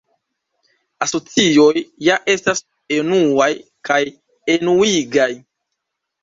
Asocioj ja estas enuaj kaj enuigaj.